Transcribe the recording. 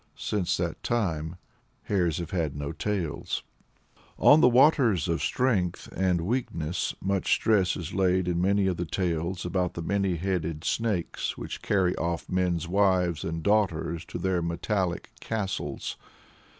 Since that time, hares have had no tails. On the Waters of Strength and Weakness much stress is laid in many of the tales about the many headed Snakes which carry off men's wives and daughters to their metallic castles.